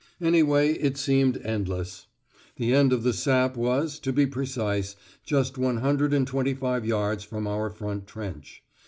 Anyway it seemed endless. The end of the sap was, to be precise, just one hundred and twenty five yards from our front trench.